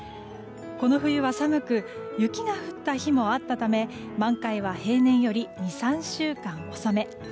この冬は寒く雪が降った日もあったため満開は平年より２３週間遅め。